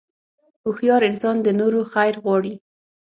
هوښیار انسان د نورو خیر غواړي.